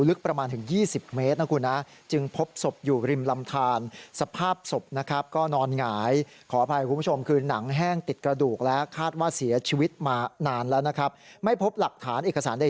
ลึกประมาณถึง๒๐เมตรนะคุณฮะจึงพบศพอยู่ริมลำทาน